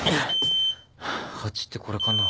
鉢ってこれかな？